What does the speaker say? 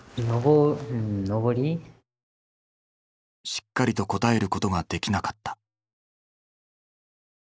しっかりと答えることができなかった。